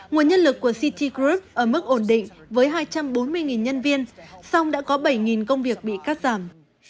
nguồn nhân lực của city group ở mức ổn định với hai trăm bốn mươi nhân viên song đã có bảy công việc bị cắt giảm